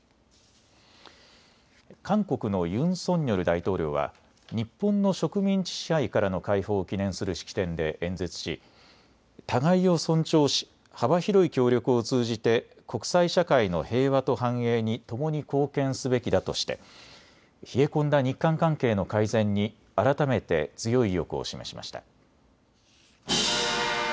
韓国のユン・ソンニョル大統領は日本の植民地支配からの解放を記念する式典で演説し互いを尊重し、幅広い協力を通じて国際社会の平和と繁栄にともに貢献すべきだとして冷え込んだ日韓関係の改善に改めて強い意欲を示しました。